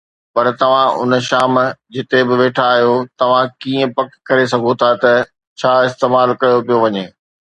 پر توهان ان شام جتي به ويٺا آهيو، توهان ڪيئن پڪ ڪري سگهو ٿا ته ڇا استعمال ڪيو پيو وڃي؟